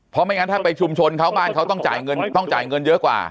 เพราะไม่งั้นถ้าไปชุมชนเขาบ้านเขาต้องจ่ายเงินต้องจ่ายเงินเยอะกว่า